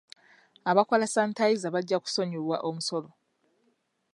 Abakola sanitayiza bajja kusonyiyibwa omusolo.